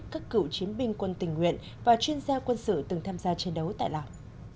các cựu chiến binh quân tình nguyện và chuyên gia quân sự từng tham gia chiến đấu tại lào